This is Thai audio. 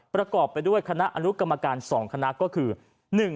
ประกอบไปด้วยคณะอนุกรรมการ๒คณะก็คือ